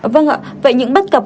vâng ạ vậy những bất cập